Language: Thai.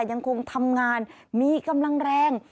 ยังคงทำงานมีกำลังแรง